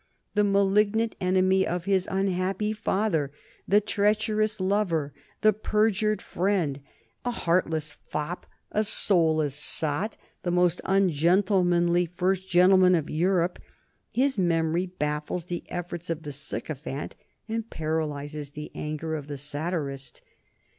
The malignant enemy of his unhappy father, the treacherous lover, the perjured friend, a heartless fop, a soulless sot, the most ungentlemanly First Gentleman of Europe, his memory baffles the efforts of the sycophant and paralyzes the anger of the satirist.